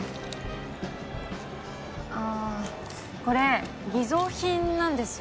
ああこれ偽造品なんですよ。